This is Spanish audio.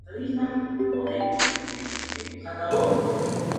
Basado en la información de su capitán, tenían la esperanza de poder comerciar.